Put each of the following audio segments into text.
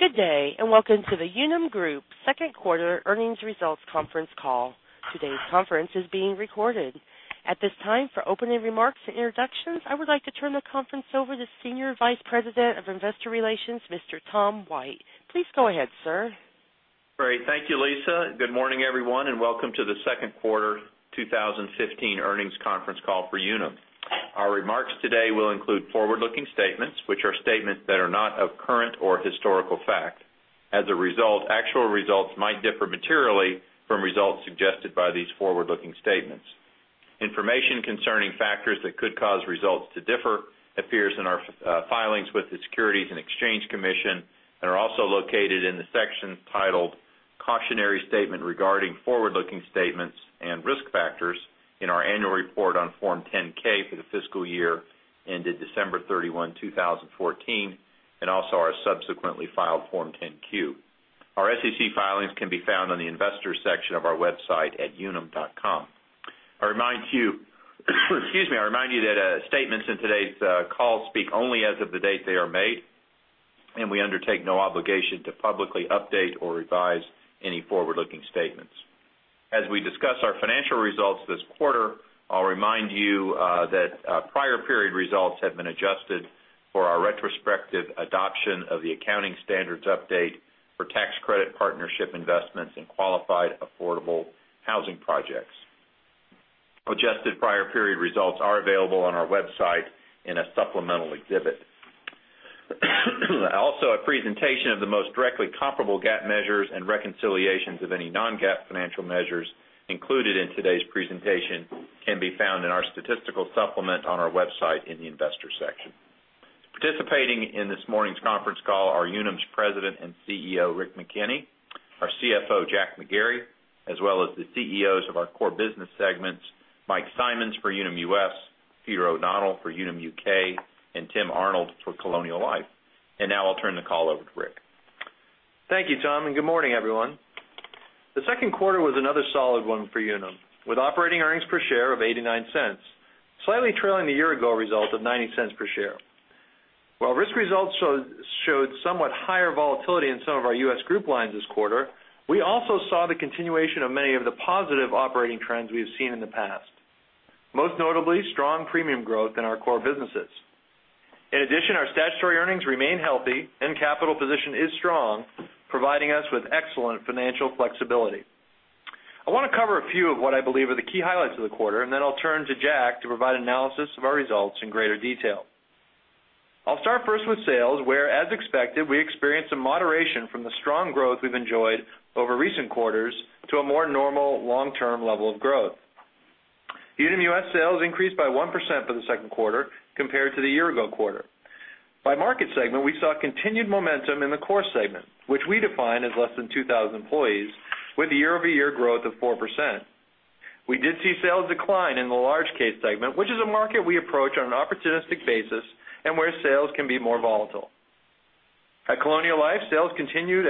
Good day, and welcome to the Unum Group second quarter earnings results conference call. Today's conference is being recorded. At this time, for opening remarks and introductions, I would like to turn the conference over to Senior Vice President of Investor Relations, Mr. Tom White. Please go ahead, sir. Great. Thank you, Lisa. Good morning, everyone, and welcome to the second quarter 2015 earnings conference call for Unum. Our remarks today will include forward-looking statements, which are statements that are not of current or historical fact. As a result, actual results might differ materially from results suggested by these forward-looking statements. Information concerning factors that could cause results to differ appears in our filings with the Securities and Exchange Commission and are also located in the section titled "Cautionary Statement regarding forward-looking statements and risk factors" in our annual report on Form 10-K for the fiscal year ended December 31, 2014, and also our subsequently filed Form 10-Q. Our SEC filings can be found on the investor section of our website at unum.com. I remind you. I remind you that statements in today's call speak only as of the date they are made, and we undertake no obligation to publicly update or revise any forward-looking statements. As we discuss our financial results this quarter, I'll remind you that prior period results have been adjusted for our retrospective adoption of the accounting standards update for tax credit partnership investments in qualified affordable housing projects. Adjusted prior period results are available on our website in a supplemental exhibit. Also, a presentation of the most directly comparable GAAP measures and reconciliations of any non-GAAP financial measures included in today's presentation can be found in our statistical supplement on our website in the investor section. Participating in this morning's conference call are Unum's President and CEO, Rick McKenney, our CFO, Jack McGarry, as well as the CEOs of our core business segments, Mike Simonds for Unum US, Peter O'Donnell for Unum UK, and Tim Arnold for Colonial Life. Now I'll turn the call over to Rick. Thank you, Tom, and good morning, everyone. The second quarter was another solid one for Unum, with operating earnings per share of $0.89, slightly trailing the year ago result of $0.90 per share. While risk results showed somewhat higher volatility in some of our U.S. group lines this quarter, we also saw the continuation of many of the positive operating trends we have seen in the past, most notably strong premium growth in our core businesses. In addition, our statutory earnings remain healthy and capital position is strong, providing us with excellent financial flexibility. I want to cover a few of what I believe are the key highlights of the quarter, and then I'll turn to Jack to provide analysis of our results in greater detail. I'll start first with sales, where, as expected, we experienced a moderation from the strong growth we've enjoyed over recent quarters to a more normal long-term level of growth. Unum US sales increased by 1% for the second quarter compared to the year ago quarter. By market segment, we saw continued momentum in the core segment, which we define as less than 2,000 employees with a year-over-year growth of 4%. We did see sales decline in the large case segment, which is a market we approach on an opportunistic basis and where sales can be more volatile. At Colonial Life, sales continued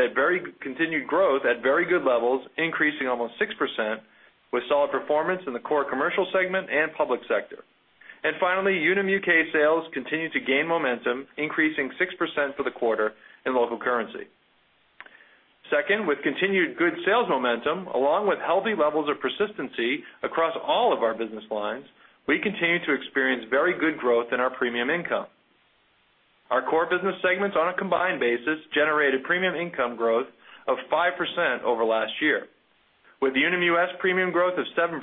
growth at very good levels, increasing almost 6%, with solid performance in the core commercial segment and public sector. Finally, Unum UK sales continued to gain momentum, increasing 6% for the quarter in local currency. Second, with continued good sales momentum, along with healthy levels of persistency across all of our business lines, we continue to experience very good growth in our premium income. Our core business segments on a combined basis generated premium income growth of 5% over last year, with Unum US premium growth of 7%,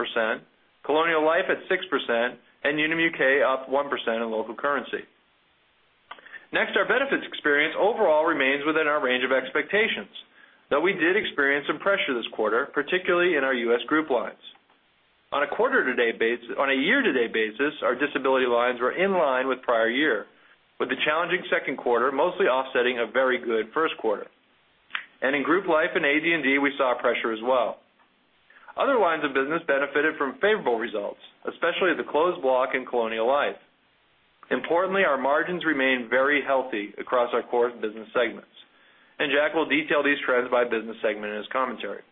Colonial Life at 6%, and Unum UK up 1% in local currency. Next, our benefits experience overall remains within our range of expectations, though we did experience some pressure this quarter, particularly in our U.S. group lines. On a year-to-date basis, our disability lines were in line with prior year, with the challenging second quarter mostly offsetting a very good first quarter. In group life and AD&D, we saw pressure as well. Other lines of business benefited from favorable results, especially the closed block in Colonial Life. Importantly, our margins remain very healthy across our core business segments, and Jack will detail these trends by business segment in his commentary.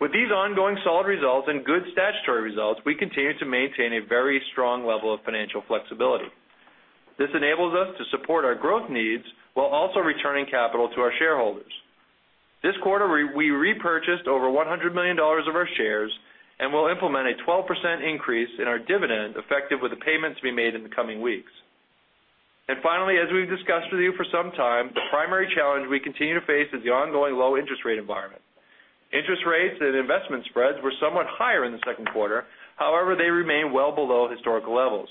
With these ongoing solid results and good statutory results, we continue to maintain a very strong level of financial flexibility. This enables us to support our growth needs while also returning capital to our shareholders. This quarter, we repurchased over $100 million of our shares and will implement a 12% increase in our dividend effective with the payments to be made in the coming weeks. Finally, as we've discussed with you for some time, the primary challenge we continue to face is the ongoing low interest rate environment. Interest rates and investment spreads were somewhat higher in the second quarter. However, they remain well below historical levels.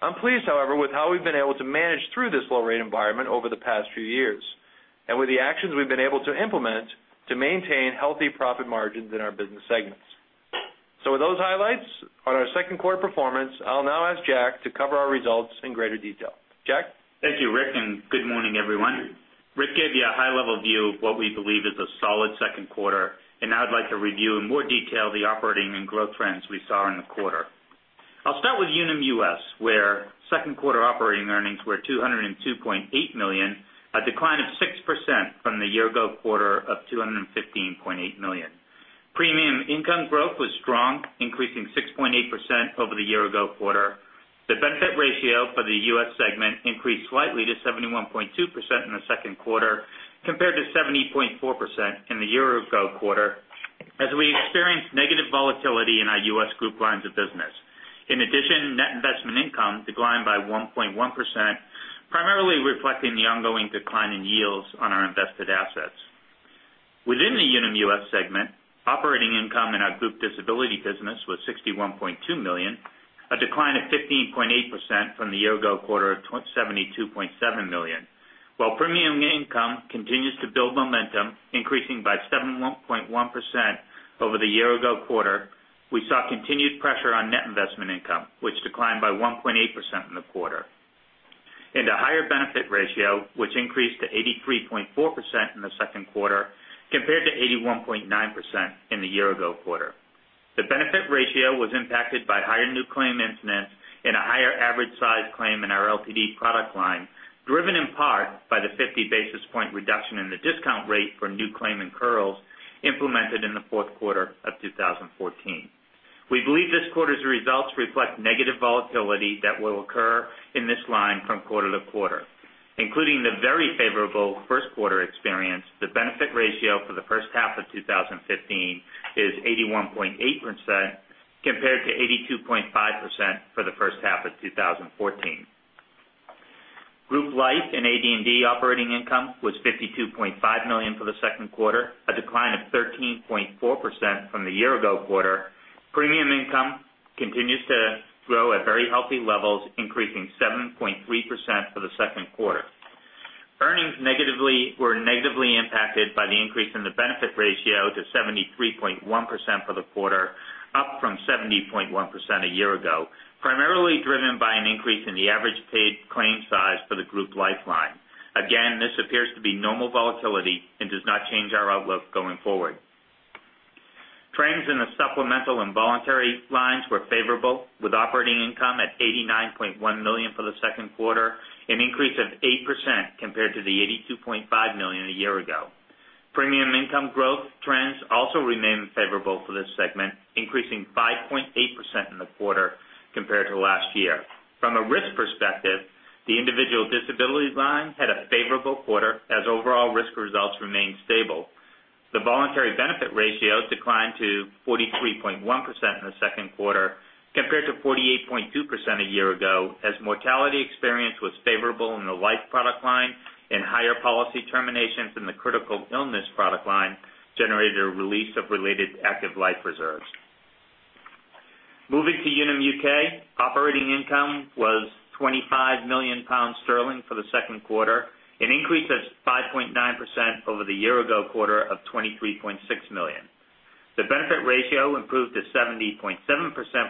I'm pleased, however, with how we've been able to manage through this low rate environment over the past few years and with the actions we've been able to implement to maintain healthy profit margins in our business segments. With those highlights on our second quarter performance, I'll now ask Jack to cover our results in greater detail. Jack? Thank you, Rick, and good morning, everyone. Rick gave you a high-level view of what we believe is a solid second quarter, and I'd like to review in more detail the operating and growth trends we saw in the quarter. I'll start with Unum US, where second quarter operating earnings were $202.8 million, a decline of 6% In the year-ago quarter of $215.8 million. Premium income growth was strong, increasing 6.8% over the year-ago quarter. The benefit ratio for the U.S. segment increased slightly to 71.2% in the second quarter, compared to 70.4% in the year-ago quarter, as we experienced negative volatility in our U.S. group lines of business. In addition, net investment income declined by 1.1%, primarily reflecting the ongoing decline in yields on our invested assets. Within the Unum US segment, operating income in our group disability business was $61.2 million, a decline of 15.8% from the year-ago quarter of $72.7 million. While premium income continues to build momentum, increasing by 7.1% over the year-ago quarter, we saw continued pressure on net investment income, which declined by 1.8% in the quarter. In the higher benefit ratio, which increased to 83.4% in the second quarter, compared to 81.9% in the year-ago quarter. The benefit ratio was impacted by higher new claim incidents and a higher average size claim in our LTD product line, driven in part by the 50 basis point reduction in the discount rate for new claim incurrals implemented in the fourth quarter of 2014. We believe this quarter's results reflect negative volatility that will occur in this line from quarter to quarter. Including the very favorable first quarter experience, the benefit ratio for the first half of 2015 is 81.8%, compared to 82.5% for the first half of 2014. Group Life and AD&D operating income was $52.5 million for the second quarter, a decline of 13.4% from the year-ago quarter. Premium income continues to grow at very healthy levels, increasing 7.3% for the second quarter. Earnings were negatively impacted by the increase in the benefit ratio to 73.1% for the quarter, up from 70.1% a year ago, primarily driven by an increase in the average paid claim size for the Group Life line. Again, this appears to be normal volatility and does not change our outlook going forward. Trends in the supplemental and voluntary lines were favorable, with operating income at $89.1 million for the second quarter, an increase of 8% compared to the $82.5 million a year ago. Premium income growth trends also remain favorable for this segment, increasing 5.8% in the quarter compared to last year. From a risk perspective, the Individual Disability line had a favorable quarter, as overall risk results remained stable. The voluntary benefit ratio declined to 43.1% in the second quarter, compared to 48.2% a year ago, as mortality experience was favorable in the Life product line and higher policy terminations in the Critical Illness product line generated a release of related active life reserves. Moving to Unum UK, operating income was £25 million for the second quarter, an increase of 5.9% over the year-ago quarter of £23.6 million. The benefit ratio improved to 70.7%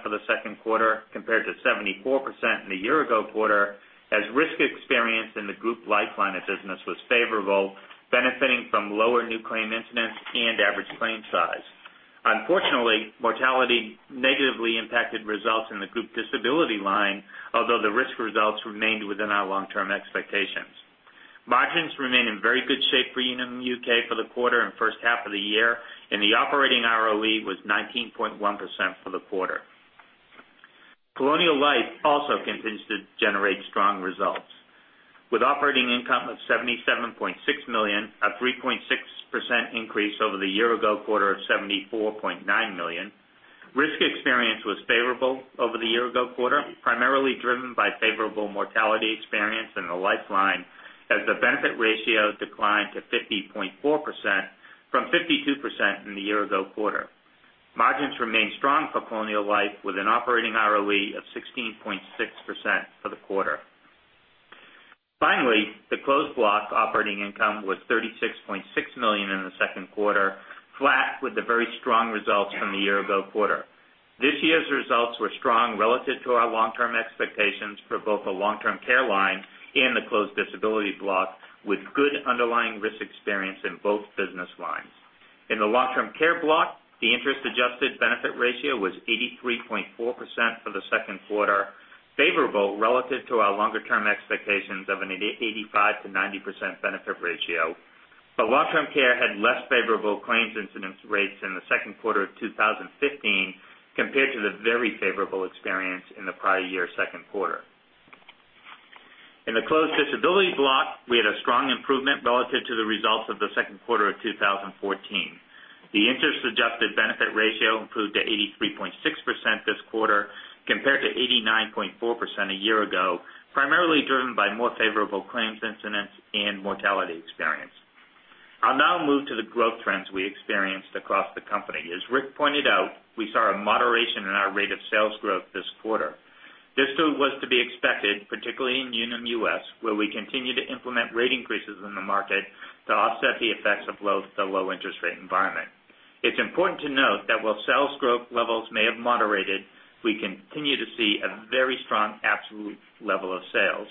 for the second quarter compared to 74% in the year-ago quarter, as risk experience in the Group Life line of business was favorable, benefiting from lower new claim incidents and average claim size. Unfortunately, mortality negatively impacted results in the Group Disability line, although the risk results remained within our long-term expectations. Margins remain in very good shape for Unum UK for the quarter and first half of the year, and the operating ROE was 19.1% for the quarter. Colonial Life also continues to generate strong results, with operating income of $77.6 million, a 3.6% increase over the year-ago quarter of $74.9 million. Risk experience was favorable over the year-ago quarter, primarily driven by favorable mortality experience in the Life line, as the benefit ratio declined to 50.4% from 52% in the year-ago quarter. Margins remained strong for Colonial Life, with an operating ROE of 16.6% for the quarter. The closed block operating income was $36.6 million in the second quarter, flat with the very strong results from the year-ago quarter. This year's results were strong relative to our long-term expectations for both the Long-Term Care line and the Closed Disability block, with good underlying risk experience in both business lines. In the Long-Term Care block, the interest-adjusted benefit ratio was 83.4% for the second quarter, favorable relative to our longer-term expectations of an 85%-90% benefit ratio. Long-Term Care had less favorable claims incidence rates in the second quarter of 2015 compared to the very favorable experience in the prior year second quarter. In the Closed Disability block, we had a strong improvement relative to the results of the second quarter of 2014. The interest-adjusted benefit ratio improved to 83.6% this quarter, compared to 89.4% a year ago, primarily driven by more favorable claims incidents and mortality experience. I'll now move to the growth trends we experienced across the company. As Rick pointed out, we saw a moderation in our rate of sales growth this quarter. This was to be expected, particularly in Unum US, where we continue to implement rate increases in the market to offset the effects of the low interest rate environment. It's important to note that while sales growth levels may have moderated, we continue to see a very strong absolute level of sales.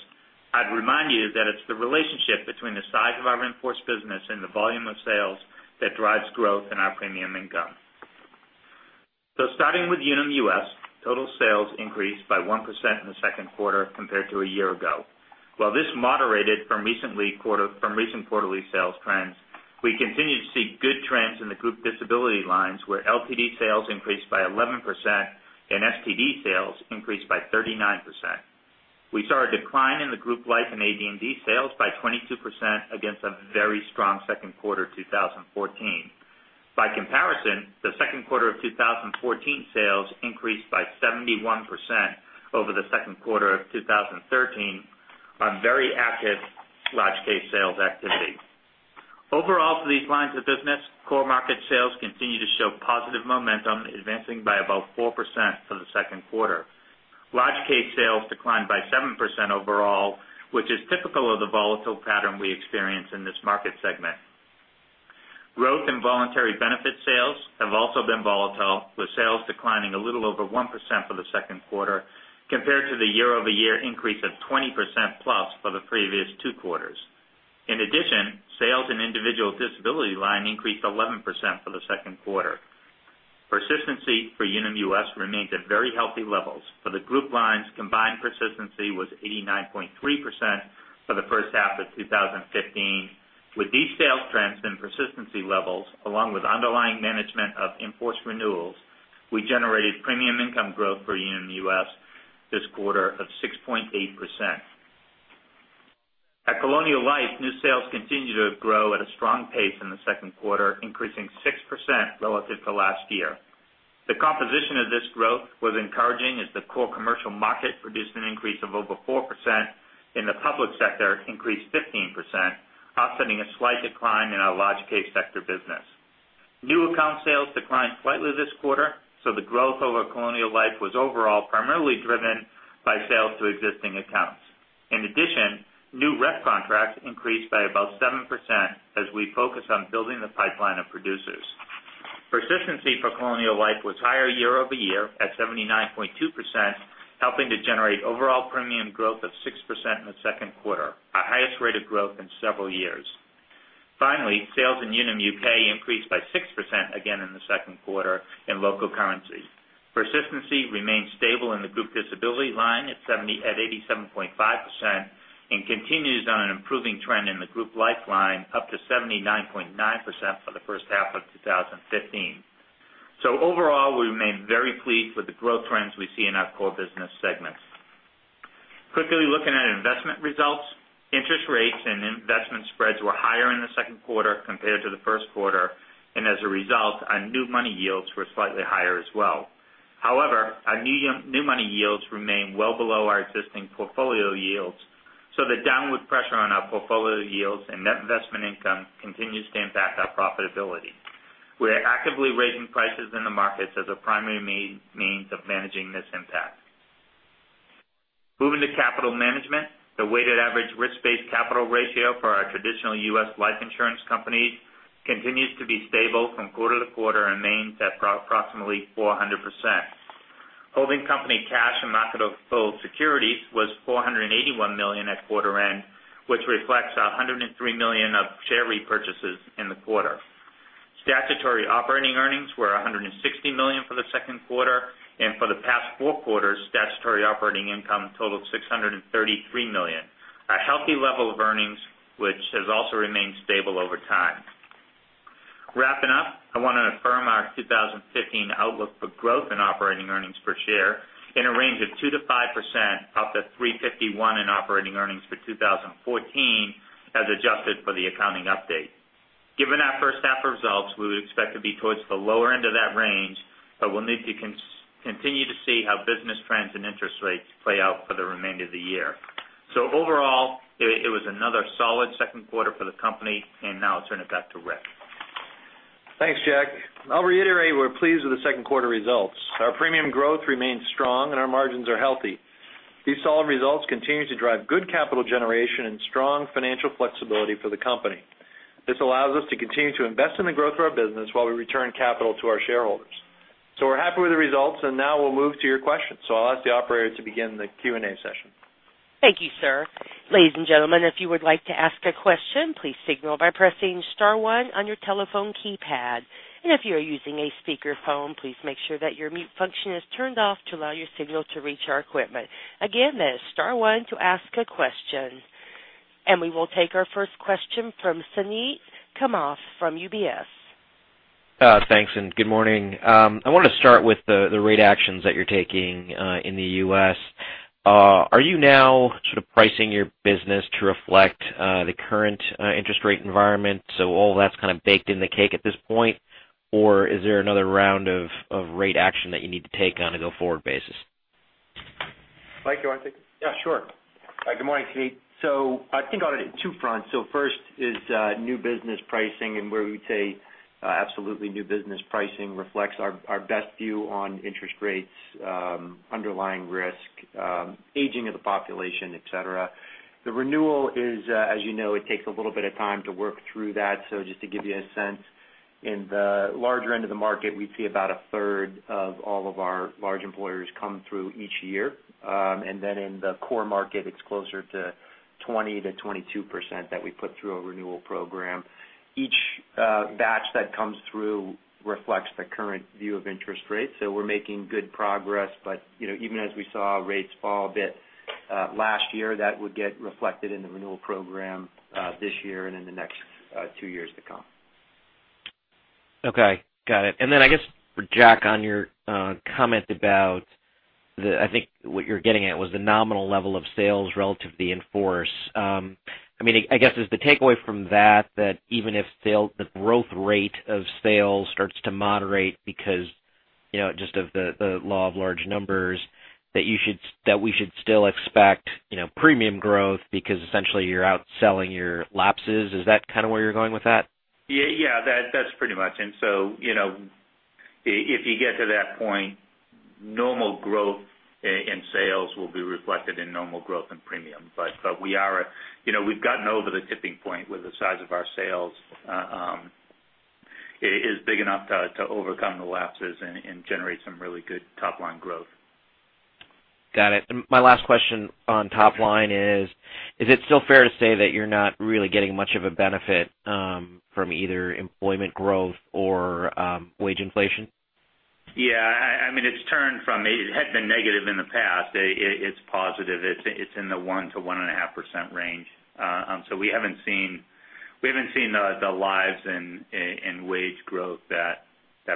I'd remind you that it's the relationship between the size of our in-force business and the volume of sales that drives growth in our premium income. Starting with Unum US, total sales increased by 1% in the second quarter compared to a year ago. While this moderated from recent quarterly sales trends, we continue to see good trends in the group disability lines, where LTD sales increased by 11% and STD sales increased by 39%. We saw a decline in the group life and AD&D sales by 22% against a very strong second quarter 2014. By comparison, the second quarter of 2014 sales increased by 71% over the second quarter of 2013 on very active large case sales activity. Overall, for these lines of business, core market sales continue to show positive momentum, advancing by about 4% for the second quarter. Large case sales declined by 7% overall, which is typical of the volatile pattern we experience in this market segment. Growth in voluntary benefit sales have also been volatile, with sales declining a little over 1% for the second quarter compared to the year-over-year increase of 20% plus for the previous two quarters. In addition, sales in individual disability line increased 11% for the second quarter. Persistency for Unum US remains at very healthy levels. For the group lines, combined persistency was 89.3% for the first half of 2015. With these sales trends and persistency levels, along with underlying management of in-force renewals, we generated premium income growth for Unum US this quarter of 6.8%. At Colonial Life, new sales continued to grow at a strong pace in the second quarter, increasing 6% relative to last year. The composition of this growth was encouraging as the core commercial market produced an increase of over 4% and the public sector increased 15%, offsetting a slight decline in our large case sector business. New account sales declined slightly this quarter, the growth over Colonial Life was overall primarily driven by sales to existing accounts. In addition, new rep contracts increased by about 7% as we focus on building the pipeline of producers. Persistency for Colonial Life was higher year over year at 79.2%, helping to generate overall premium growth of 6% in the second quarter, our highest rate of growth in several years. Sales in Unum UK increased by 6% again in the second quarter in local currency. Persistency remains stable in the group disability line at 87.5% and continues on an improving trend in the group life line, up to 79.9% for the first half of 2015. Overall, we remain very pleased with the growth trends we see in our core business segments. Quickly looking at investment results, interest rates and investment spreads were higher in the second quarter compared to the first quarter, and as a result, our new money yields were slightly higher as well. Our new money yields remain well below our existing portfolio yields, the downward pressure on our portfolio yields and net investment income continues to impact our profitability. We are actively raising prices in the markets as a primary means of managing this impact. Moving to capital management, the weighted average risk-based capital ratio for our traditional U.S. life insurance companies continues to be stable from quarter to quarter and remains at approximately 400%. Holding company cash and marketable securities was $481 million at quarter end, which reflects $103 million of share repurchases in the quarter. Statutory operating earnings were $160 million for the second quarter, for the past four quarters, statutory operating income totaled $633 million, a healthy level of earnings, which has also remained stable over time. Wrapping up, I want to affirm our 2015 outlook for growth in operating earnings per share in a range of 2%-5% off of $3.51 in operating earnings for 2014 as adjusted for the accounting update. Given our first half results, we would expect to be towards the lower end of that range, we'll need to continue to see how business trends and interest rates play out for the remainder of the year. Overall, it was another solid second quarter for the company, now I'll turn it back to Rick. Thanks, Jack. I'll reiterate, we're pleased with the second quarter results. Our premium growth remains strong, our margins are healthy. These solid results continue to drive good capital generation and strong financial flexibility for the company. This allows us to continue to invest in the growth of our business while we return capital to our shareholders. We're happy with the results, now we'll move to your questions. I'll ask the operator to begin the Q&A session. Thank you, sir. Ladies and gentlemen, if you would like to ask a question, please signal by pressing *1 on your telephone keypad. If you are using a speakerphone, please make sure that your mute function is turned off to allow your signal to reach our equipment. Again, that is *1 to ask a question. We will take our first question from Suneet Kamath from UBS. Thanks. Good morning. I want to start with the rate actions that you're taking in the U.S. Are you now sort of pricing your business to reflect the current interest rate environment, all that's kind of baked in the cake at this point? Is there another round of rate action that you need to take on a go-forward basis? Mike, you want to take this? Sure. Good morning, Suneet. I think on two fronts. First is new business pricing and where we would say absolutely new business pricing reflects our best view on interest rates, underlying risk, aging of the population, et cetera. The renewal is, as you know, it takes a little bit of time to work through that. Just to give you a sense, in the larger end of the market, we see about a third of all of our large employers come through each year. In the core market, it's closer to 20%-22% that we put through a renewal program. Each batch that comes through reflects the current view of interest rates. We're making good progress, but even as we saw rates fall a bit last year, that would get reflected in the renewal program this year and in the next two years to come. Okay, got it. Then I guess for Jack, on your comment about the, I think what you're getting at was the nominal level of sales relative to the in-force. I guess, is the takeaway from that even if the growth rate of sales starts to moderate because just of the law of large numbers, that we should still expect premium growth because essentially you're outselling your lapses. Is that kind of where you're going with that? Yeah. That's pretty much. If you get to that point, normal growth in sales will be reflected in normal growth in premium. We've gotten over the tipping point where the size of our sales is big enough to overcome the lapses and generate some really good top-line growth. Got it. My last question on top line is it still fair to say that you're not really getting much of a benefit from either employment growth or wage inflation? Yeah. It had been negative in the past. It's positive. It's in the 1%-1.5% range. We haven't seen the rise in wage growth that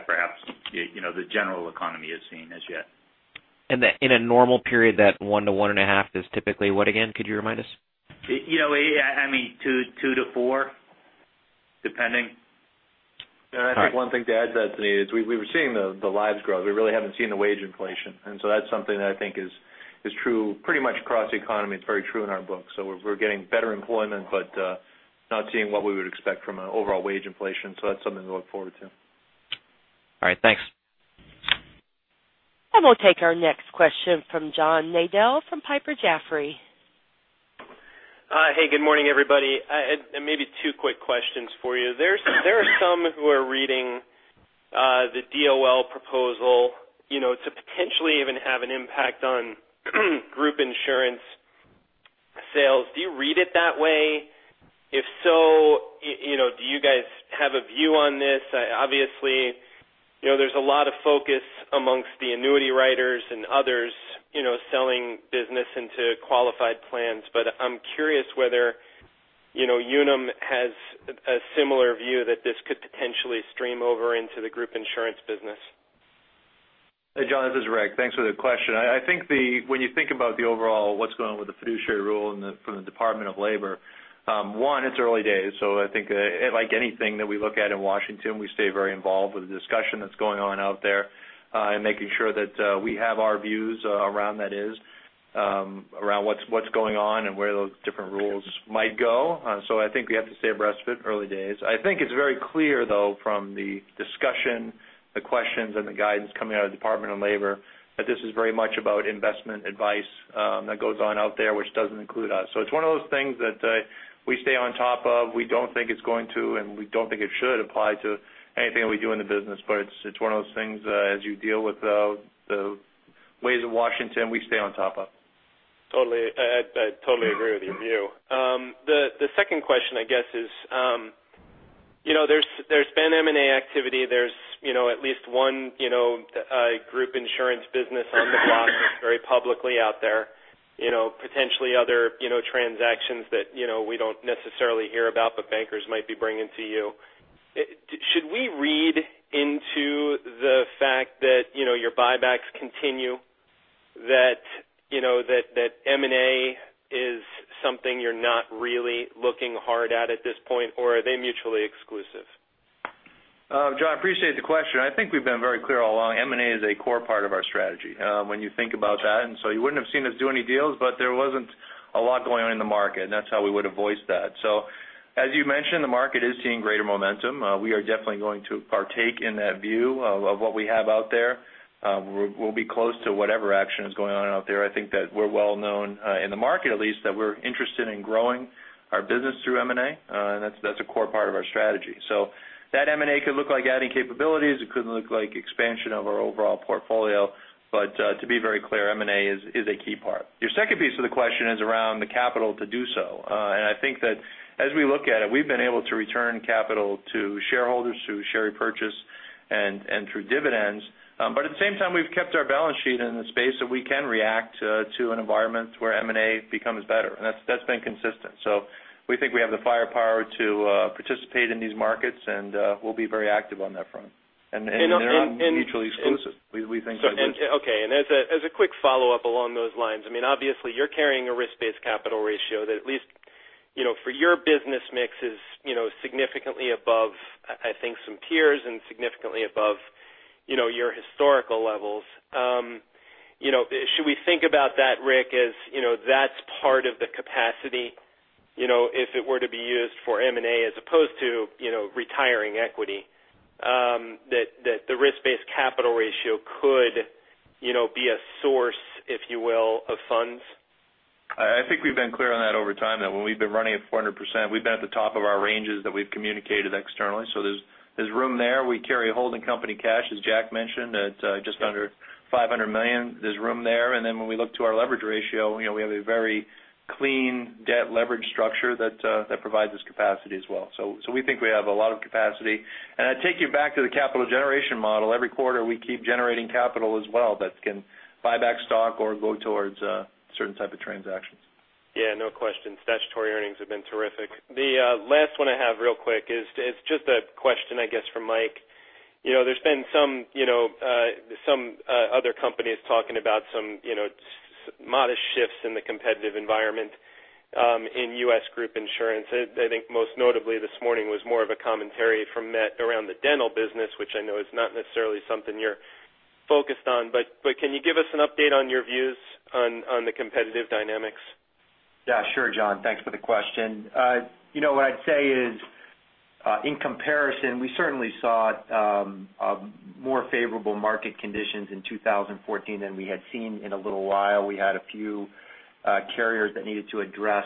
perhaps the general economy has seen as yet. In a normal period, that 1-1.5 is typically what again? Could you remind us? I mean, 2-4, depending. I think one thing to add to that, Suneet, is we were seeing the lives grow. We really haven't seen the wage inflation. That's something that I think is true pretty much across the economy. It's very true in our books. We're getting better employment, but not seeing what we would expect from an overall wage inflation. That's something to look forward to. All right. Thanks. We'll take our next question from John Nadel from Piper Jaffray. Hi. Good morning, everybody. Maybe two quick questions for you. There are some who are reading the DOL proposal to potentially even have an impact on group insurance sales. Do you read it that way? If so, do you guys have a view on this? Obviously, there's a lot of focus amongst the annuity writers and others selling business into qualified plans, but I'm curious whether Unum has a similar view that this could potentially stream over into the group insurance business. Hey, John, this is Rick. Thanks for the question. I think when you think about the overall, what's going on with the Fiduciary Rule from the Department of Labor, one, it's early days. I think like anything that we look at in Washington, we stay very involved with the discussion that's going on out there and making sure that we have our views around that is, around what's going on and where those different rules might go. I think we have to stay abreast of it, early days. I think it's very clear, though, from the discussion, the questions, and the guidance coming out of the Department of Labor, that this is very much about investment advice that goes on out there, which doesn't include us. It's one of those things that we stay on top of. We don't think it's going to, and we don't think it should apply to anything that we do in the business, but it's one of those things, as you deal with the ways of Washington, we stay on top of. Totally. I totally agree with your view. The second question, I guess is, there's been M&A activity. There's at least one group insurance business on the block that's very publicly out there. Potentially other transactions that we don't necessarily hear about, but bankers might be bringing to you. Should we read into the fact that your buybacks continue, that M&A is something you're not really looking hard at at this point, or are they mutually exclusive? John, appreciate the question. I think we've been very clear all along, M&A is a core part of our strategy when you think about that. You wouldn't have seen us do any deals, but there wasn't a lot going on in the market, and that's how we would have voiced that. As you mentioned, the market is seeing greater momentum. We are definitely going to partake in that view of what we have out there. We'll be close to whatever action is going on out there. I think that we're well known in the market at least that we're interested in growing our business through M&A, and that's a core part of our strategy. That M&A could look like adding capabilities, it could look like expansion of our overall portfolio. To be very clear, M&A is a key part. Your second piece of the question is around the capital to do so. I think that as we look at it, we've been able to return capital to shareholders through share repurchase and through dividends. At the same time, we've kept our balance sheet in the space that we can react to an environment where M&A becomes better. That's been consistent. We think we have the firepower to participate in these markets, and we'll be very active on that front. They're not mutually exclusive. We think they're both. Okay. As a quick follow-up along those lines, obviously you're carrying a risk-based capital ratio that at least for your business mix is significantly above, I think some peers and significantly above your historical levels. Should we think about that, Rick, as that's part of the capacity if it were to be used for M&A as opposed to retiring equity, that the risk-based capital ratio could be a source, if you will, of funds? I think we've been clear on that over time, that when we've been running at 400%, we've been at the top of our ranges that we've communicated externally. There's room there. We carry a holding company cash, as Jack mentioned, at just under $500 million. There's room there. When we look to our leverage ratio, we have a very clean debt leverage structure that provides us capacity as well. We think we have a lot of capacity. I'd take you back to the capital generation model. Every quarter, we keep generating capital as well that can buy back stock or go towards certain type of transactions. No question. Statutory earnings have been terrific. The last one I have real quick is, it's just a question, I guess, for Mike. There's been some other companies talking about some modest shifts in the competitive environment, in U.S. group insurance. I think most notably this morning was more of a commentary from MetLife around the dental business, which I know is not necessarily something you're focused on. Can you give us an update on your views on the competitive dynamics? Sure, John. Thanks for the question. What I'd say is, in comparison, we certainly saw more favorable market conditions in 2014 than we had seen in a little while. We had a few carriers that needed to address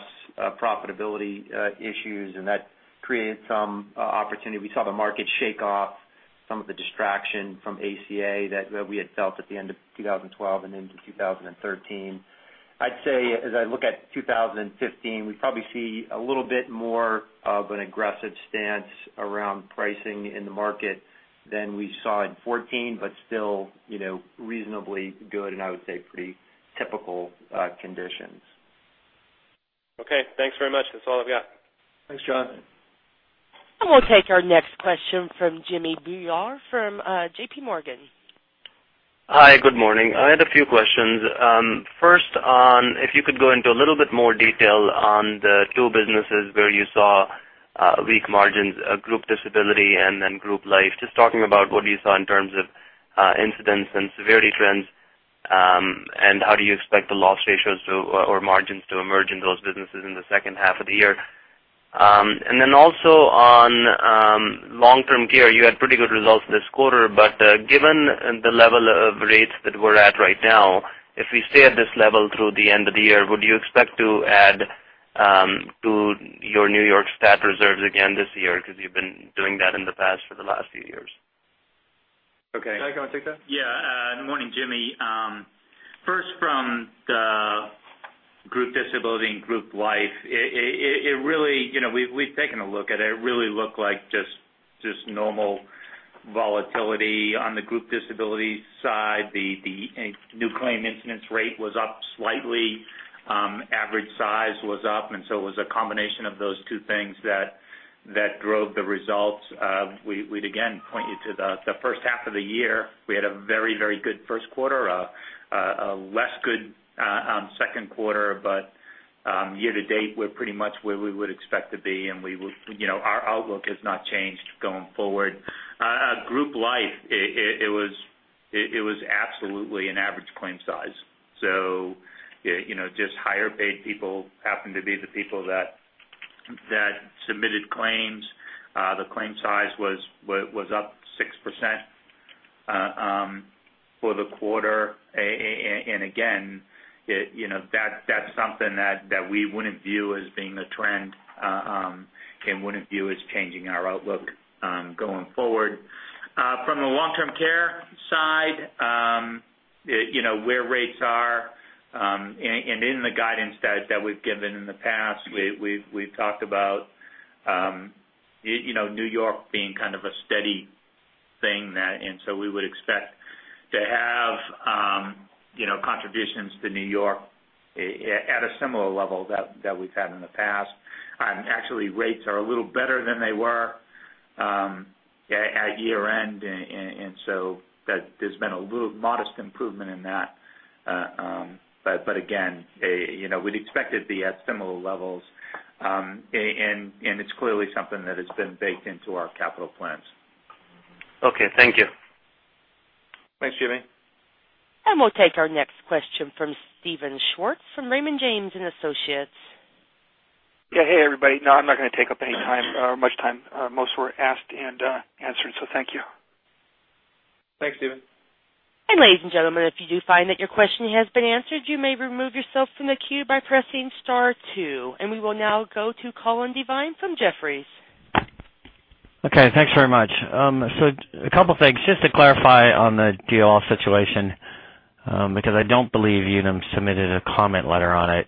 profitability issues. That created some opportunity. We saw the market shake off some of the distraction from ACA that we had felt at the end of 2012 and into 2013. I'd say, as I look at 2015, we probably see a little bit more of an aggressive stance around pricing in the market than we saw in 2014, still reasonably good and I would say pretty typical conditions. Thanks very much. That's all I've got. Thanks, John. We'll take our next question from Jimmy Bhullar from J.P. Morgan. Hi, good morning. I had a few questions. First on, if you could go into a little bit more detail on the two businesses where you saw weak margins, Group Disability and then Group Life. Just talking about what you saw in terms of incidents and severity trends, and how do you expect the loss ratios to, or margins to emerge in those businesses in the second half of the year? Also on long-term care, you had pretty good results this quarter, but given the level of rates that we're at right now, if we stay at this level through the end of the year, would you expect to add to your New York statutory reserves again this year? Because you've been doing that in the past for the last few years. Okay. Jack, you want to take that? Yeah. Morning, Jimmy. First, from the Group Disability and Group Life, we've taken a look at it. It really looked like just normal volatility on the Group Disability side. The new claim incidence rate was up slightly. Average size was up, it was a combination of those two things that drove the results. We'd again point you to the first half of the year. We had a very good first quarter, a less good second quarter, but year to date, we're pretty much where we would expect to be, and our outlook has not changed going forward. Group Life, it was absolutely an average claim size. Just higher-paid people happen to be the people that submitted claims. The claim size was up 6% for the quarter. Again, that's something that we wouldn't view as being a trend, and wouldn't view as changing our outlook going forward. From the long-term care side, where rates are, and in the guidance that we've given in the past, we've talked about New York being kind of a steady thing. So we would expect to have contributions to New York at a similar level that we've had in the past. Actually, rates are a little better than they were at year-end, and so there's been a little modest improvement in that. Again, we'd expect it to be at similar levels. It's clearly something that has been baked into our capital plans. Okay, thank you. Thanks, Jimmy. We'll take our next question from Steven Schwartz from Raymond James & Associates. Yeah. Hey, everybody. No, I'm not going to take up any time or much time. Most were asked and answered, so thank you. Thanks, Steven. Ladies and gentlemen, if you do find that your question has been answered, you may remove yourself from the queue by pressing star two. We will now go to Colin Devine from Jefferies. Okay, thanks very much. A couple things, just to clarify on the DOL situation, because I don't believe Unum submitted a comment letter on it,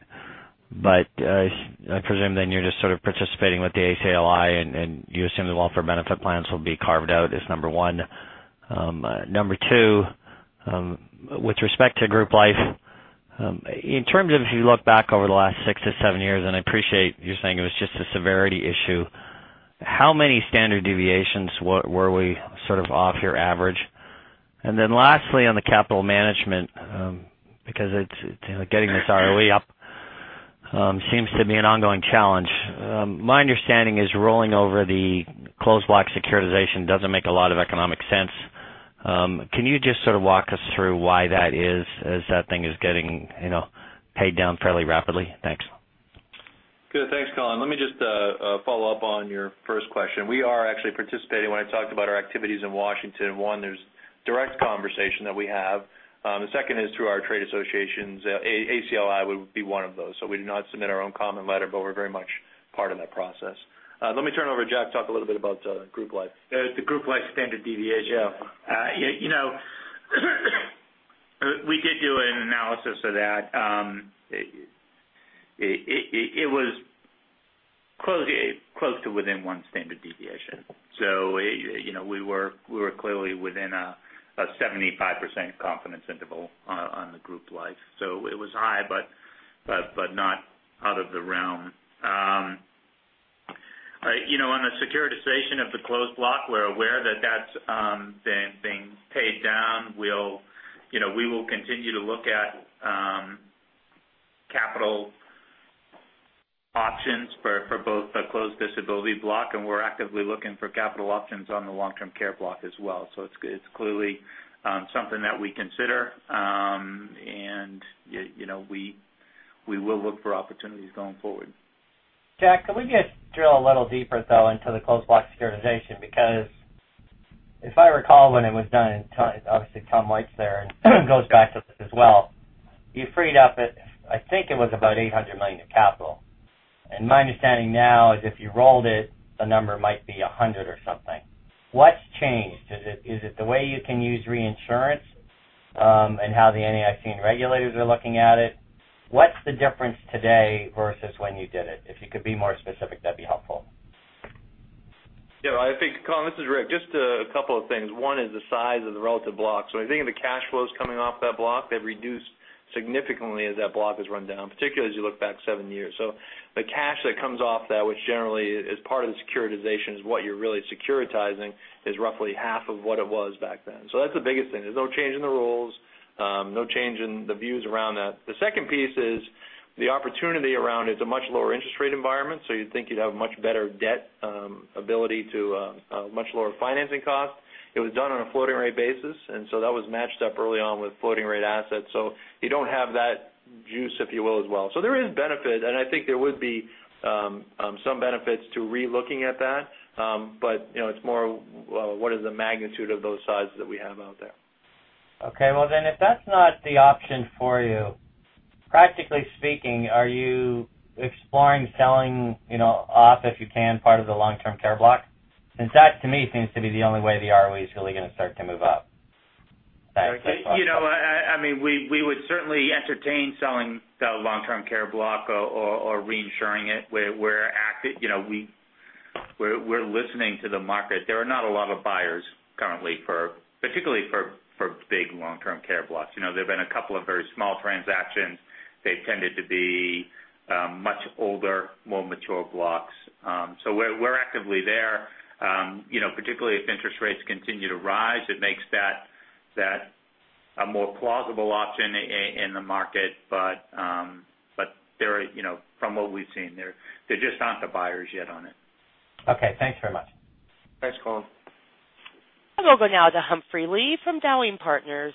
but I presume then you're just sort of participating with the ACLI and you assume the welfare benefit plans will be carved out as number 1. Number 2, with respect to Group Life, in terms of if you look back over the last 6-7 years, and I appreciate you saying it was just a severity issue, how many standard deviations were we sort of off your average? Lastly, on the capital management, because getting this ROE up seems to be an ongoing challenge. My understanding is rolling over the closed block securitization doesn't make a lot of economic sense. Can you just sort of walk us through why that is as that thing is getting paid down fairly rapidly? Thanks. Good. Thanks, Colin. Let me just follow up on your first question. We are actually participating. When I talked about our activities in Washington, one, there's direct conversation that we have. The second is through our trade associations. ACLI would be one of those. We do not submit our own comment letter, but we're very much part of that process. Let me turn over to Jack to talk a little bit about group life. The group life standard deviation. Yeah. We did do an analysis of that. It was close to within one standard deviation, we were clearly within a 75% confidence interval on the group life. It was high, but not out of the realm. On the securitization of the closed block, we're aware that's being paid down. We will continue to look at capital options for both the closed disability block, and we're actively looking for capital options on the long-term care block as well. It's clearly something that we consider. We will look for opportunities going forward. Jack, could we just drill a little deeper, though, into the closed block securitization? If I recall when it was done in time, obviously Tom White's there and those guys as well, you freed up, I think it was about $800 million in capital. My understanding now is if you rolled it, the number might be $100 or something. What's changed? Is it the way you can use reinsurance, and how the NAIC regulators are looking at it? What's the difference today versus when you did it? If you could be more specific, that'd be helpful. Colin, this is Rick. Just a couple of things. One is the size of the relative blocks. I think the cash flows coming off that block have reduced significantly as that block has run down, particularly as you look back seven years. The cash that comes off that, which generally is part of the securitization, is what you're really securitizing, is roughly half of what it was back then. That's the biggest thing. There's no change in the rules, no change in the views around that. The second piece is the opportunity around it. It's a much lower interest rate environment, you'd think you'd have much better debt ability to much lower financing cost. It was done on a floating rate basis, that was matched up early on with floating rate assets. You don't have that juice, if you will, as well. There is benefit, and I think there would be some benefits to re-looking at that. It's more what is the magnitude of those sizes that we have out there. If that's not the option for you, practically speaking, are you exploring selling off, if you can, part of the long-term care block? Since that, to me, seems to be the only way the ROE is really going to start to move up. We would certainly entertain selling the long-term care block or reinsuring it we're active. We're listening to the market. There are not a lot of buyers currently, particularly for big long-term care blocks. There've been a couple of very small transactions. They've tended to be much older, more mature blocks. We're actively there. Particularly if interest rates continue to rise, it makes that a more plausible option in the market. From what we've seen, there just aren't the buyers yet on it. Okay, thanks very much. Thanks, Colin. I'll go now to Humphrey Lee from Dowling Partners.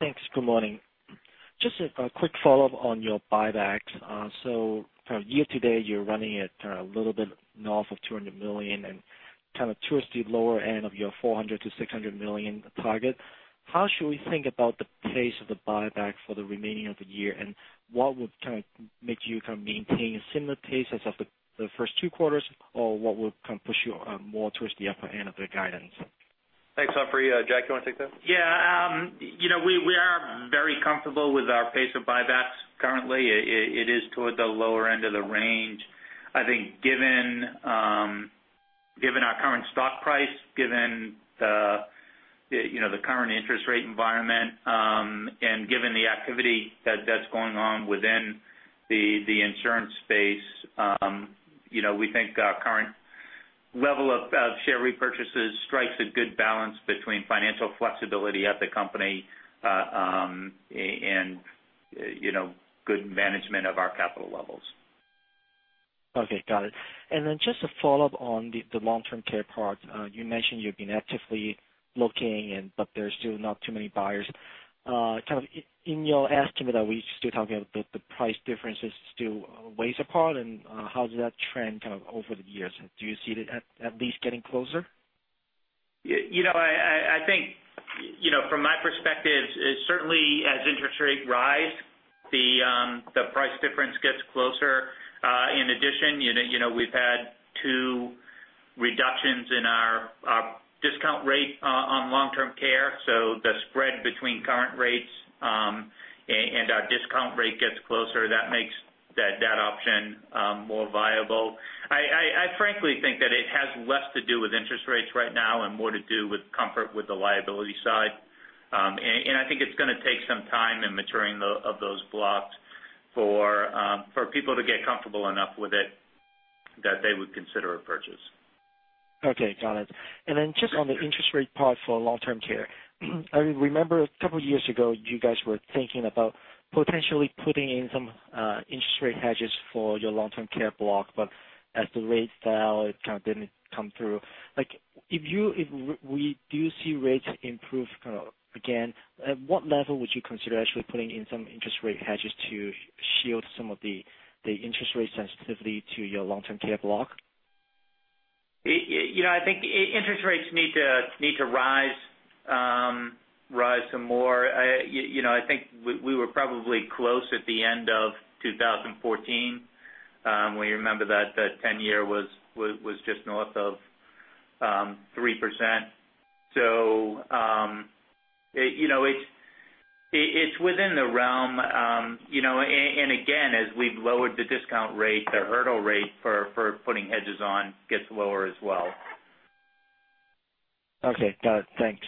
Thanks. Good morning. Just a quick follow-up on your buybacks. For year to date, you're running it a little bit north of $200 million and towards the lower end of your $400 million-$600 million target. How should we think about the pace of the buyback for the remaining of the year, and what would make you maintain a similar pace as of the first two quarters, or what would push you more towards the upper end of the guidance? Thanks, Humphrey. Jack, do you want to take that? Yeah. We are very comfortable with our pace of buybacks currently. It is toward the lower end of the range. I think given our current stock price, given the current interest rate environment, and given the activity that's going on within the insurance space, we think our current level of share repurchases strikes a good balance between financial flexibility at the company, and good management of our capital levels. Okay. Got it. Then just to follow up on the long-term care part, you mentioned you've been actively looking, but there's still not too many buyers. In your estimate, are we still talking about the price difference is still ways apart, and how does that trend over the years? Do you see it at least getting closer? I think from my perspective, certainly as interest rates rise, the price difference gets closer. In addition, we've had two reductions in our discount rate on long-term care, so the spread between current rates and our discount rate gets closer. That makes that option more viable. I frankly think that it has less to do with interest rates right now and more to do with comfort with the liability side. I think it's going to take some time in maturing of those blocks for people to get comfortable enough with it that they would consider a purchase. Okay. Got it. Just on the interest rate part for long-term care, I remember a couple of years ago, you guys were thinking about potentially putting in some interest rate hedges for your long-term care block, but as the rates fell, it kind of didn't come through. If we do see rates improve again, at what level would you consider actually putting in some interest rate hedges to shield some of the interest rate sensitivity to your long-term care block? I think interest rates need to rise some more. I think we were probably close at the end of 2014. We remember that the 10-year was just north of 3%. It's within the realm. Again, as we've lowered the discount rate, the hurdle rate for putting hedges on gets lower as well. Okay, got it. Thanks.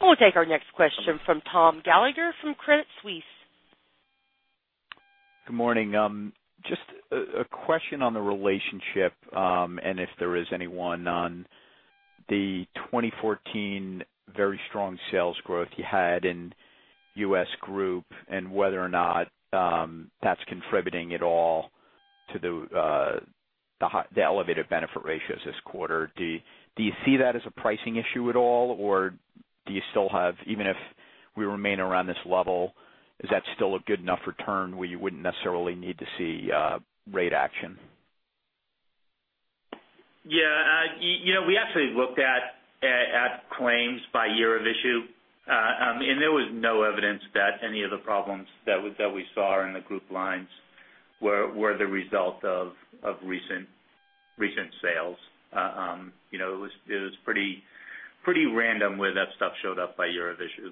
We'll take our next question from Thomas Gallagher from Credit Suisse. Good morning. Just a question on the relationship, and if there is any one on the 2014 very strong sales growth you had in US Group and whether or not that's contributing at all to the elevated benefit ratios this quarter. Do you see that as a pricing issue at all, or do you still have, even if we remain around this level, is that still a good enough return where you wouldn't necessarily need to see rate action? Yeah. We actually looked at claims by year of issue, and there was no evidence that any of the problems that we saw in the group lines were the result of recent sales. It was pretty random where that stuff showed up by year of issue.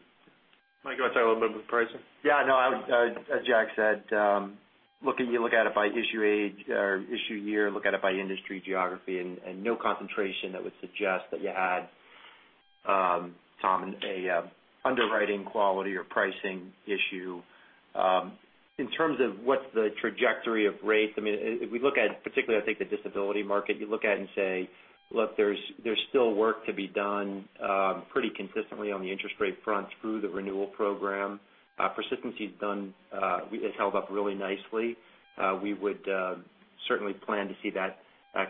Mike, you want to talk a little bit about the pricing? Yeah, no. As Jack said, you look at it by issue age or issue year, look at it by industry, geography, and no concentration that would suggest that you had, Tom, a underwriting quality or pricing issue. In terms of what the trajectory of rates, if we look at, particularly, I think the disability market, you look at it and say, look, there's still work to be done pretty consistently on the interest rate front through the renewal program. Persistency has held up really nicely. We would certainly plan to see that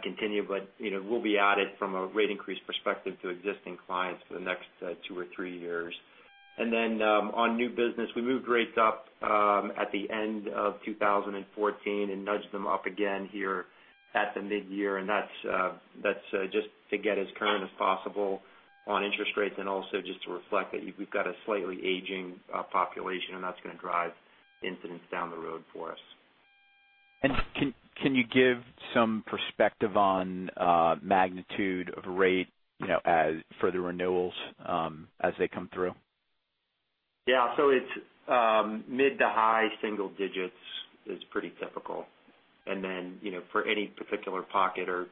continue, but we'll be at it from a rate increase perspective to existing clients for the next two or three years. On new business, we moved rates up at the end of 2014 and nudged them up again here at the mid-year, and that's just to get as current as possible on interest rates and also just to reflect that we've got a slightly aging population, and that's going to drive incidents down the road for us. Can you give some perspective on magnitude of rate for the renewals as they come through? It's mid to high single digits is pretty typical. Then, for any particular pocket or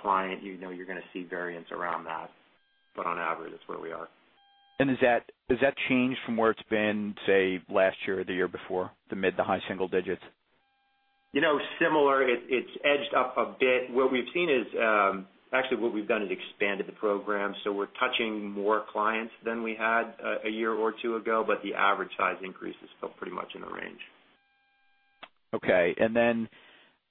client, you know you're going to see variance around that. On average, that's where we are. Has that changed from where it's been, say, last year or the year before, the mid to high single digits? Similar. It's edged up a bit. Actually, what we've done is expanded the program, we're touching more clients than we had a year or two ago, the average size increase is still pretty much in the range. Okay. Then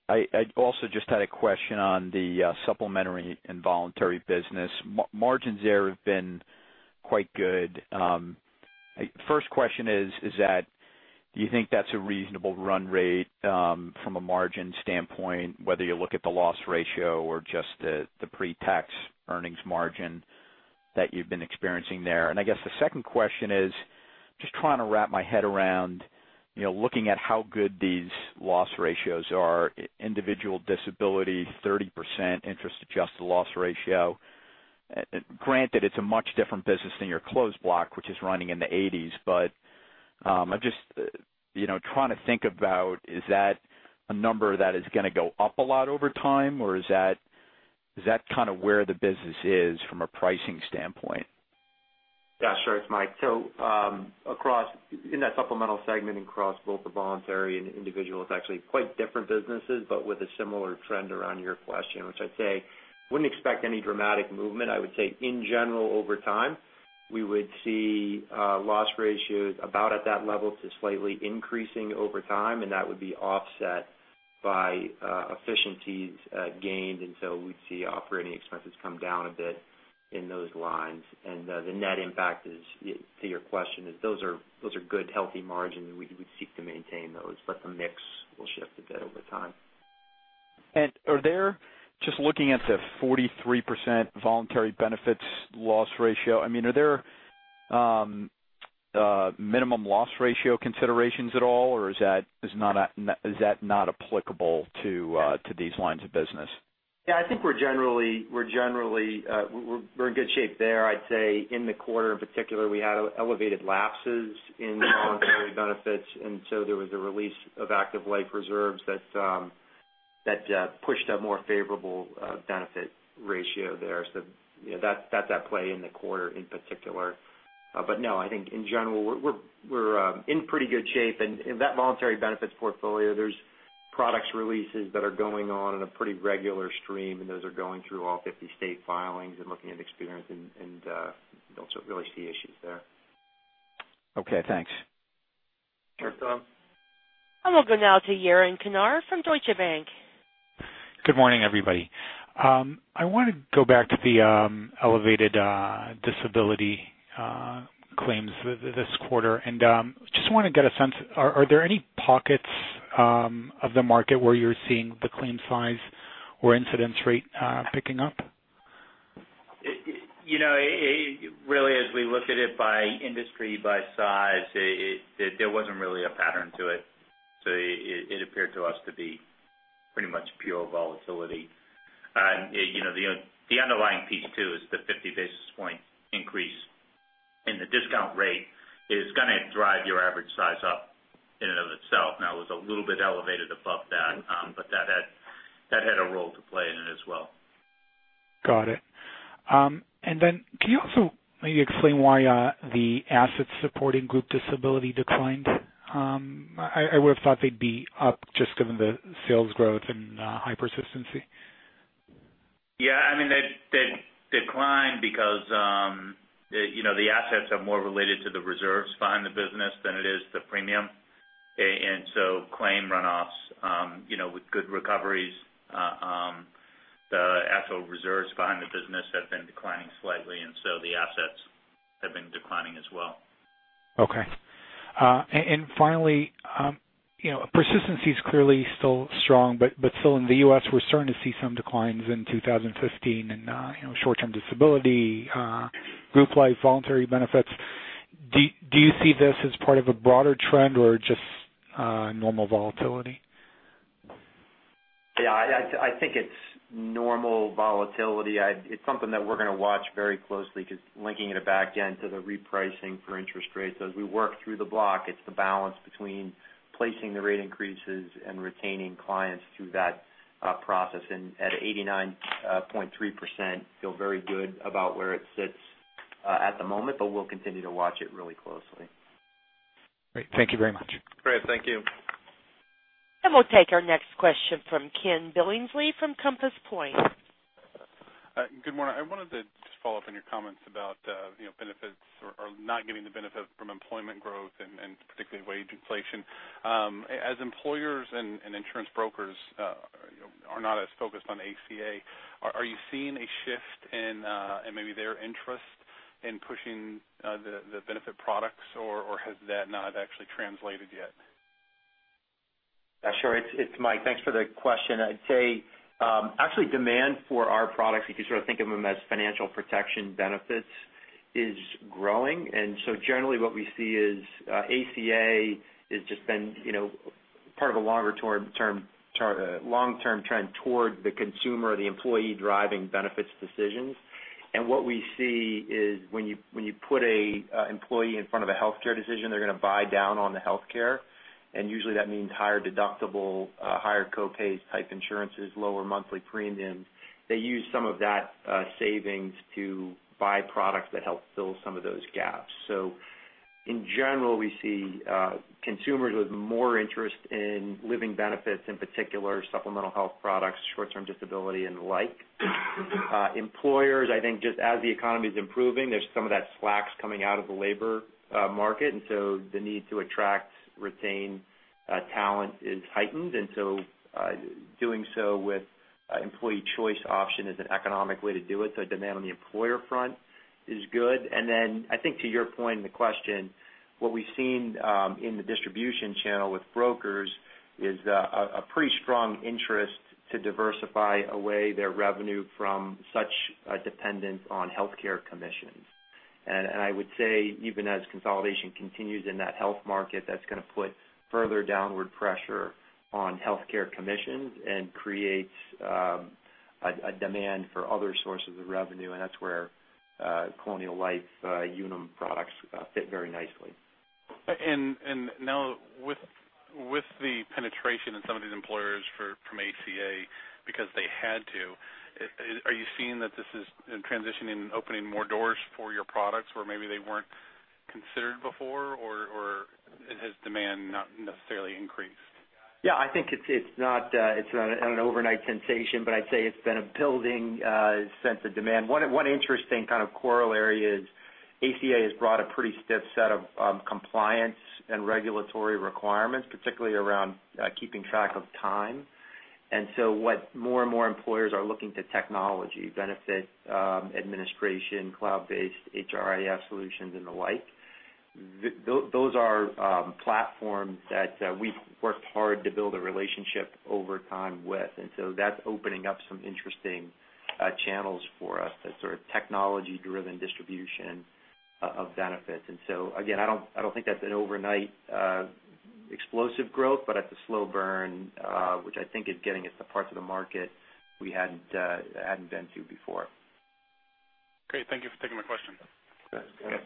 I also just had a question on the supplementary and voluntary business. Margins there have been quite good. First question is that do you think that's a reasonable run rate from a margin standpoint, whether you look at the loss ratio or just the pre-tax earnings margin that you've been experiencing there? I guess the second question is just trying to wrap my head around looking at how good these loss ratios are, individual disability, 30% interest-adjusted loss ratio. Granted, it's a much different business than your closed block, which is running in the 80s. I'm just trying to think about, is that a number that is going to go up a lot over time, or is that kind of where the business is from a pricing standpoint? Yeah, sure. It's Mike. In that supplemental segment and across both the voluntary and individual, it's actually quite different businesses, but with a similar trend around your question, which I'd say wouldn't expect any dramatic movement. I would say in general, over time, we would see loss ratios about at that level to slightly increasing over time, and that would be offset by efficiencies gained. We'd see operating expenses come down a bit in those lines. The net impact is, to your question, is those are good, healthy margins. We'd seek to maintain those, but the mix will shift a bit over time. Are there, just looking at the 43% voluntary benefits loss ratio, are there minimum loss ratio considerations at all, or is that not applicable to these lines of business? Yeah, I think we're in good shape there. I'd say in the quarter in particular, we had elevated lapses in voluntary benefits, there was a release of active life reserves that pushed a more favorable benefit ratio there. That's at play in the quarter in particular. No, I think in general, we're in pretty good shape. In that voluntary benefits portfolio, there's products releases that are going on in a pretty regular stream, and those are going through all 50 state filings and looking at experience, and don't really see issues there. Okay, thanks. Sure, Tom. I will go now to Yaron Kinar from Deutsche Bank. Good morning, everybody. I want to go back to the elevated disability claims this quarter. Just want to get a sense, are there any pockets of the market where you're seeing the claim size or incidence rate picking up? Really, as we look at it by industry, by size, there wasn't really a pattern to it. It appeared to us to be pretty much pure volatility. The underlying piece, too, is the 50 basis point increase in the discount rate is going to drive your average size up in and of itself. It was a little bit elevated above that, but that had a role to play in it as well. Got it. Can you also maybe explain why the assets supporting group disability declined? I would've thought they'd be up just given the sales growth and high persistency. Yeah. They declined because the assets are more related to the reserves behind the business than it is the premium. Claim runoffs with good recoveries, the actual reserves behind the business have been declining slightly, and so the assets have been declining as well. Okay. Finally, persistency is clearly still strong, but still in the U.S., we're starting to see some declines in 2015 in short-term disability, group life, voluntary benefits. Do you see this as part of a broader trend or just normal volatility? Yeah, I think it's normal volatility. It's something that we're going to watch very closely because linking it back again to the repricing for interest rates as we work through the block, it's the balance between placing the rate increases and retaining clients through that process. At 89.3%, feel very good about where it sits at the moment, but we'll continue to watch it really closely. Great. Thank you very much. Great. Thank you. We'll take our next question from Ken Billingsley from Compass Point. Good morning. I wanted to just follow up on your comments about benefits or not getting the benefit from employment growth and particularly wage inflation. As employers and insurance brokers are not as focused on ACA, are you seeing a shift in maybe their interest in pushing the benefit products, or has that not actually translated yet? Sure. It's Mike. Thanks for the question. I'd say, actually demand for our products, if you sort of think of them as financial protection benefits, is growing. Generally what we see is, ACA has just been part of a long-term trend toward the consumer, the employee driving benefits decisions. What we see is when you put an employee in front of a healthcare decision, they're going to buy down on the healthcare, and usually that means higher deductible, higher co-pays type insurances, lower monthly premiums. They use some of that savings to buy products that help fill some of those gaps. In general, we see consumers with more interest in living benefits, in particular supplemental health products, short-term disability and the like. Employers, I think just as the economy's improving, there's some of that slack coming out of the labor market, the need to attract, retain talent is heightened. Doing so with employee choice option is an economic way to do it, demand on the employer front is good. I think to your point in the question, what we've seen in the distribution channel with brokers is a pretty strong interest to diversify away their revenue from such a dependence on healthcare commissions. I would say even as consolidation continues in that health market, that's going to put further downward pressure on healthcare commissions and create a demand for other sources of revenue, and that's where Colonial Life Unum products fit very nicely. Now with the penetration in some of these employers from ACA because they had to, are you seeing that this is in transition in opening more doors for your products where maybe they weren't considered before, or has demand not necessarily increased? Yeah, I think it's not an overnight sensation, but I'd say it's been a building sense of demand. One interesting kind of corollary is ACA has brought a pretty stiff set of compliance and regulatory requirements, particularly around keeping track of time. What more and more employers are looking to technology, benefit administration, cloud-based HRIS solutions and the like. Those are platforms that we've worked hard to build a relationship over time with, that's opening up some interesting channels for us, that sort of technology-driven distribution of benefits. Again, I don't think that's an overnight explosive growth, but it's a slow burn, which I think is getting us the parts of the market we hadn't been to before. Great. Thank you for taking my question. Okay.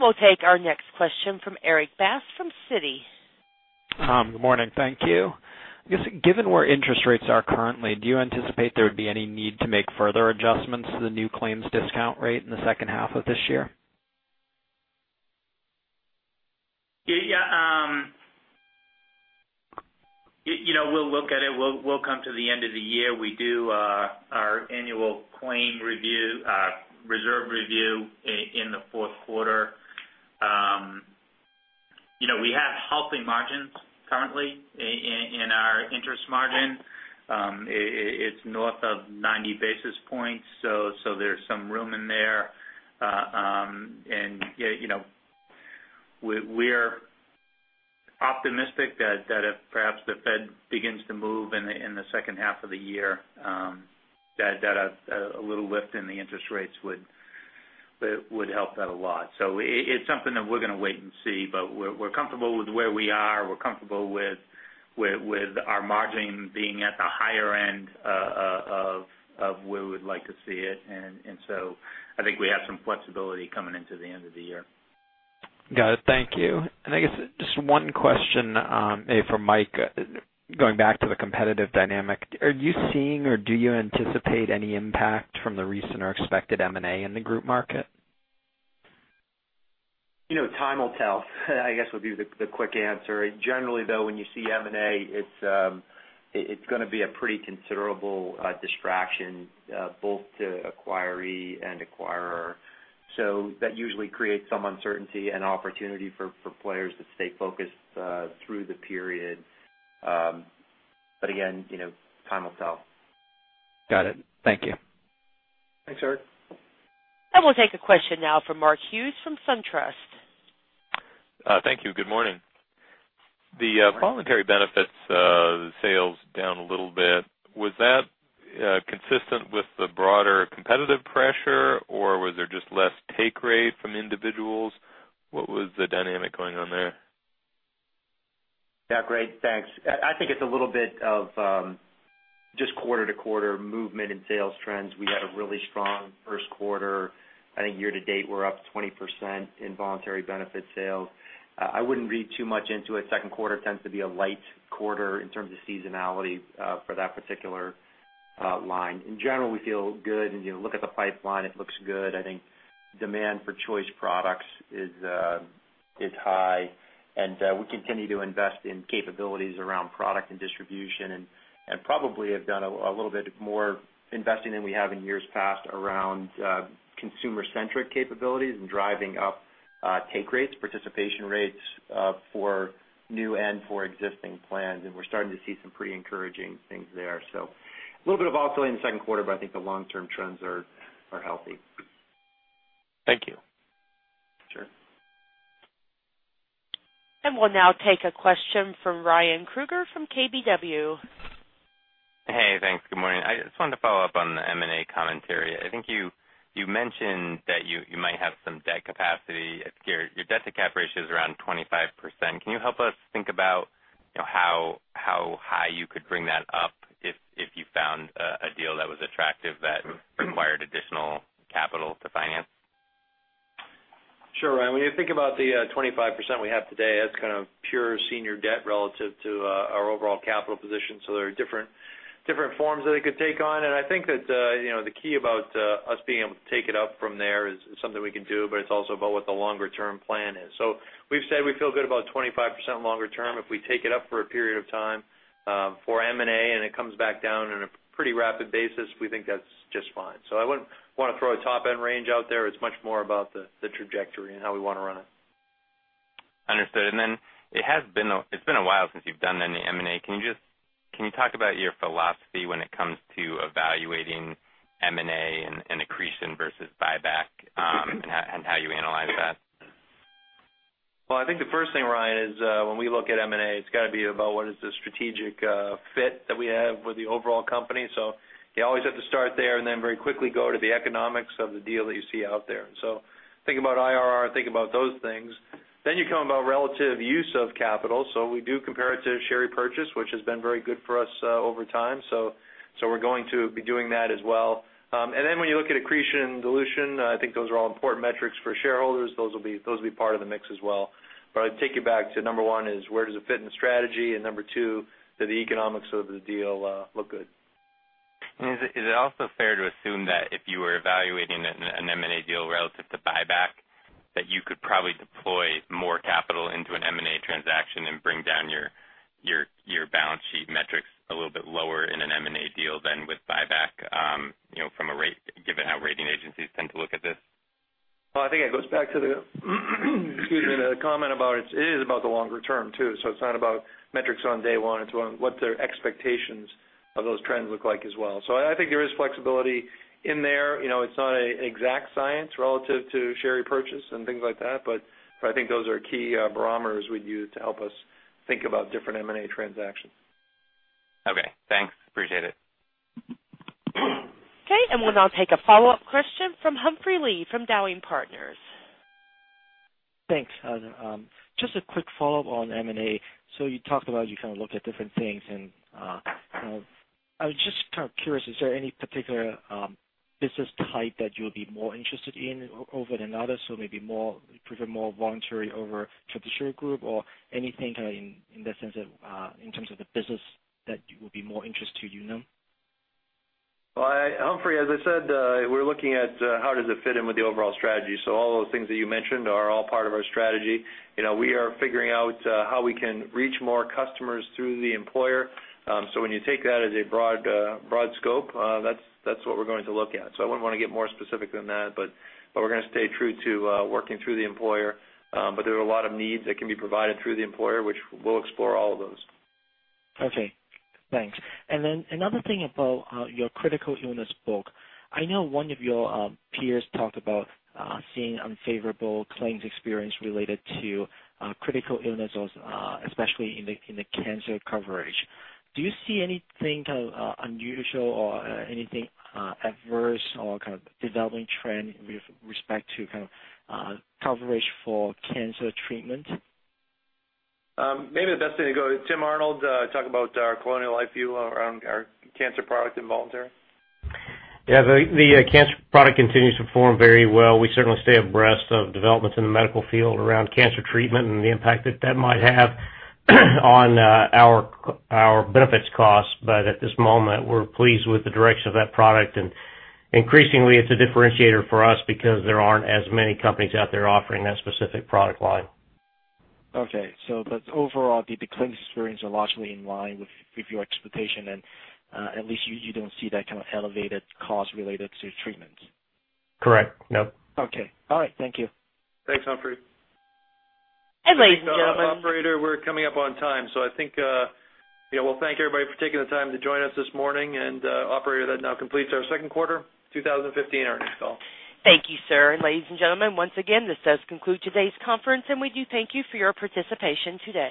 We'll take our next question from Erik Bassi from Citi. Good morning. Thank you. I guess given where interest rates are currently, do you anticipate there would be any need to make further adjustments to the new claims discount rate in the second half of this year? We'll look at it. We'll come to the end of the year. We do our annual claim reserve review in the fourth quarter. Currently in our interest margin, it's north of 90 basis points, there's some room in there. We are optimistic that if perhaps the Fed begins to move in the second half of the year, that a little lift in the interest rates would help that a lot. It's something that we're going to wait and see, but we're comfortable with where we are, we're comfortable with our margin being at the higher end of where we would like to see it. I think we have some flexibility coming into the end of the year. Got it. Thank you. I guess just one question, maybe for Mike, going back to the competitive dynamic, are you seeing or do you anticipate any impact from the recent or expected M&A in the group market? Time will tell, I guess, would be the quick answer. Generally, though, when you see M&A, it's going to be a pretty considerable distraction, both to acquiree and acquirer. That usually creates some uncertainty and opportunity for players to stay focused through the period. Again, time will tell. Got it. Thank you. Thanks, Erik. We'll take a question now from Mark Hughes from SunTrust. Thank you. Good morning. The voluntary benefits sales down a little bit. Was that consistent with the broader competitive pressure, or was there just less take rate from individuals? What was the dynamic going on there? Yeah, great. Thanks. I think it's a little bit of just quarter-to-quarter movement in sales trends. We had a really strong first quarter. I think year-to-date, we're up 20% in voluntary benefit sales. I wouldn't read too much into it. Second quarter tends to be a light quarter in terms of seasonality for that particular line. In general, we feel good. If you look at the pipeline, it looks good. I think demand for choice products is high, and we continue to invest in capabilities around product and distribution, and probably have done a little bit more investing than we have in years past around consumer-centric capabilities and driving up take rates, participation rates for new and for existing plans. We're starting to see some pretty encouraging things there. A little bit of oscillating in the second quarter, but I think the long-term trends are healthy. Thank you. Sure. We'll now take a question from Ryan Krueger from KBW. Hey, thanks. Good morning. I just wanted to follow up on the M&A commentary. I think you mentioned that you might have some debt capacity. Your debt-to-cap ratio is around 25%. Can you help us think about how high you could bring that up if you found a deal that was attractive that required additional capital to finance? Sure, Ryan. When you think about the 25% we have today, that's kind of pure senior debt relative to our overall capital position. There are different forms that it could take on. I think that the key about us being able to take it up from there is it's something we can do, but it's also about what the longer-term plan is. We've said we feel good about 25% longer term. If we take it up for a period of time for M&A and it comes back down in a pretty rapid basis, we think that's just fine. I wouldn't want to throw a top-end range out there. It's much more about the trajectory and how we want to run it. Understood. Then it's been a while since you've done any M&A. Can you talk about your philosophy when it comes to evaluating M&A and accretion versus buyback, and how you analyze that? I think the first thing, Ryan, is when we look at M&A, it's got to be about what is the strategic fit that we have with the overall company. You always have to start there and then very quickly go to the economics of the deal that you see out there. Think about IRR, think about those things. You think about relative use of capital. We do compare it to share repurchase, which has been very good for us over time. We're going to be doing that as well. When you look at accretion and dilution, I think those are all important metrics for shareholders. Those will be part of the mix as well. I'd take you back to number one is where does it fit in the strategy? Number two, do the economics of the deal look good? Is it also fair to assume that if you were evaluating an M&A deal relative to buyback, that you could probably deploy more capital into an M&A transaction and bring down your balance sheet metrics a little bit lower in an M&A deal than with buyback given how rating agencies tend to look at this? I think it goes back to the comment about it is about the longer term, too. It's not about metrics on day one, it's about what their expectations of those trends look like as well. I think there is flexibility in there. It's not an exact science relative to share repurchase and things like that, but I think those are key barometers we'd use to help us think about different M&A transactions. Okay. Thanks. Appreciate it. Okay. We'll now take a follow-up question from Humphrey Lee from Dowling Partners. Thanks. Just a quick follow-up on M&A. You talked about you kind of looked at different things, I was just kind of curious, is there any particular business type that you'll be more interested in over another? Maybe prefer more voluntary over fiduciary group or anything in terms of the business that would be more interest to Unum? Humphrey, as I said, we're looking at how does it fit in with the overall strategy. All those things that you mentioned are all part of our strategy. We are figuring out how we can reach more customers through the employer. When you take that as a broad scope, that's what we're going to look at. I wouldn't want to get more specific than that, but we're going to stay true to working through the employer. There are a lot of needs that can be provided through the employer, which we'll explore all of those. Okay. Thanks. Another thing about your critical illness book. I know one of your peers talked about seeing unfavorable claims experience related to critical illness, especially in the cancer coverage. Do you see anything kind of unusual or anything adverse or kind of developing trend with respect to coverage for cancer treatment? Maybe the best thing to go to Tim Arnold, talk about our Colonial Life view around our cancer product in voluntary. Yeah. The cancer product continues to perform very well. We certainly stay abreast of developments in the medical field around cancer treatment and the impact that that might have on our benefits costs. At this moment, we're pleased with the direction of that product. Increasingly, it's a differentiator for us because there aren't as many companies out there offering that specific product line. Okay. Overall, the claims experience are largely in line with your expectation, at least you don't see that kind of elevated cost related to treatment? Correct. No. Okay. All right. Thank you. Thanks, Humphrey. Ladies and gentlemen. I think, operator, we're coming up on time, so I think we'll thank everybody for taking the time to join us this morning. Operator, that now completes our second quarter 2015 earnings call. Thank you, sir. Ladies and gentlemen, once again, this does conclude today's conference, and we do thank you for your participation today.